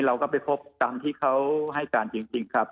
เราก็ไปพบตามที่เขาให้การจริงครับ